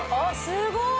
すごい！